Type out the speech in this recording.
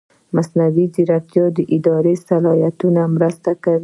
مصنوعي ځیرکتیا د اداري اصلاحاتو مرسته کوي.